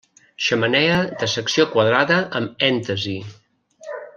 Xemeneia de secció quadrada amb èntasi.